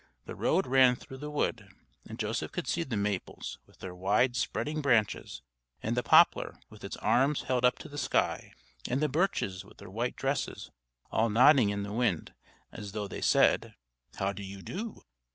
The road ran through the wood, and Joseph could see the maples with their wide spreading branches, and the poplar with its arms held up to the sky, and the birches with their white dresses, all nodding in the wind, as though they said, "How do you do?"